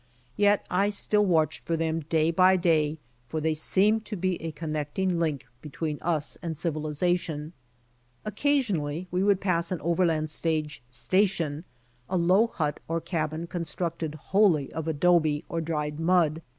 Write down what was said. Yet I still watched for them day by day for they seemed to be a connecting link between us and civilization. Occasionally we would pass an overland stage station, a low hut or cabin constructed wholly of adobe or dried mud.